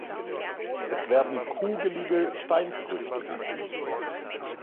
Es werden kugelige Steinfrüchte gebildet.